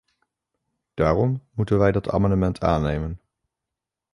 Daarom moeten wij dat amendement aannemen.